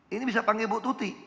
ini bisa panggil bu tuti